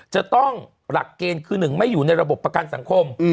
จะต้องหลักเกณฑ์คือ๑ไม่อยู่ในระบบประกันสังคม